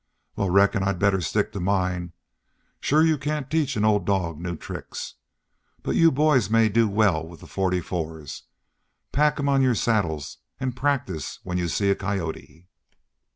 "Wal, reckon I'd better stick to mine. Shore you cain't teach an old dog new tricks. But you boys may do well with the forty fours. Pack 'em on your saddles an' practice when you see a coyote."